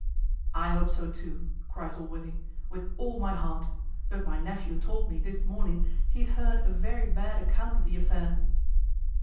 "I hope so too," cries Allworthy, "with all my heart; but my nephew told me this morning he had heard a very bad account of the affair."